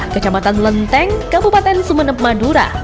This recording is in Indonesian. kecamatan lenteng kabupaten sumeneb madura